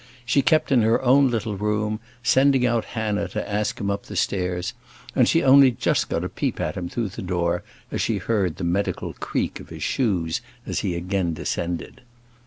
She kept in her own little room, sending out Hannah to ask him up the stairs; and she only just got a peep at him through the door as she heard the medical creak of his shoes as he again descended.